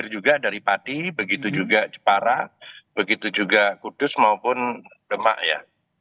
juga dari pati begitu juga jepara begitu juga kudus maupun demak ya